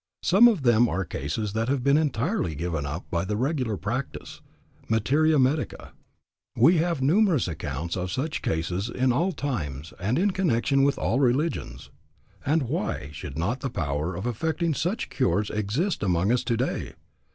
Some of them are cases that had been entirely given up by the regular practice, materia medica. We have numerous accounts of such cases in all times and in connection with all religions. And why should not the power of effecting such cures exist among us today?